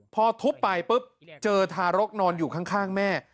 พอทุบไปปุ๊บเจอทารกนอนอยู่ข้างแม่